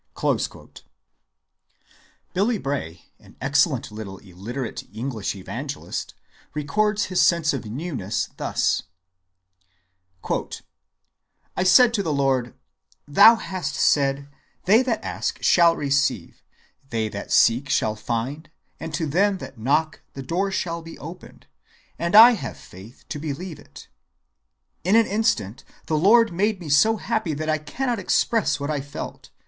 (135) Billy Bray, an excellent little illiterate English evangelist, records his sense of newness thus:— "I said to the Lord: 'Thou hast said, they that ask shall receive, they that seek shall find, and to them that knock the door shall be opened, and I have faith to believe it.' In an instant the Lord made me so happy that I cannot express what I felt.